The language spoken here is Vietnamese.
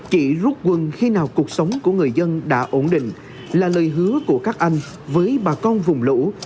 chỉ rút quân khi nào cuộc sống của người dân đã ổn định là lời hứa của các anh với bà con vùng lũ